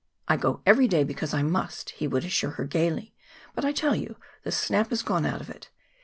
"I go every day because I must," he would assure her gayly; "but, I tell you, the snap is gone out of it.